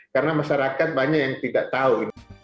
karena masyarakat banyak yang tidak tahu